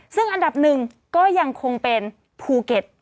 ซึ่งอันดับหนึ่งก็ยังคงเป็นภูเก็ต